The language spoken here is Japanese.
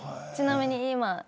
ちなみに今。